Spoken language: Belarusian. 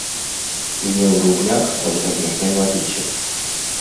І не ў рублях, а ў замежнай валюце.